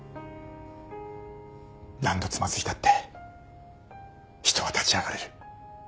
何度つまずいたって人は立ち上がれる。